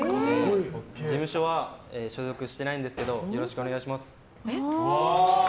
事務所は所属してないんですけどよろしくお願いします。